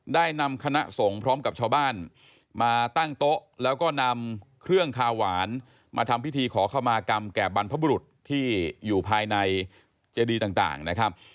ได้นำคณะสงฆ์พร้อมกับชาวบ้านมาตั้งโต๊ะแล้วก็นำเครื่องคาหวานมาทำพิธีขอเข้ามากรรมแก่บรรพบุรุษที่อยู่ภายในเจดีต่างนะครับ